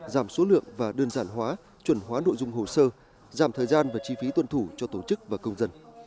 giảm số lượng và đơn giản hóa chuẩn hóa nội dung hồ sơ giảm thời gian và chi phí tuân thủ cho tổ chức và công dân